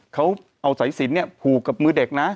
เขาเอาสายสินผูกกับมือเด็กนะ